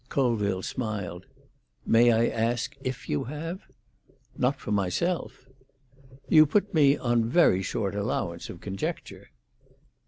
Colville smiled. "May I ask if you have?" "Not for myself." "You put me on very short allowance of conjecture."